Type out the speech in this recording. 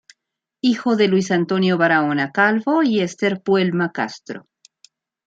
Hijo de Luis Antonio Baraona Calvo y Ester Puelma Castro.